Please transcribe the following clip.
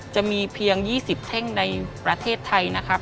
จะมีเพียง๒๐แท่งในประเทศไทยนะครับ